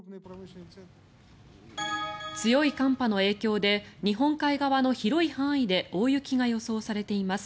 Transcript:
強い寒波の影響で日本海側の広い範囲で大雪が予想されています。